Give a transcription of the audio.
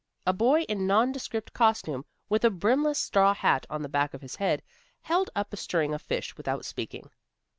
A boy in nondescript costume, with a brimless straw hat on the back of his head, held up a string of fish without speaking.